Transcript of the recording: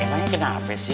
emangnya kenapa sih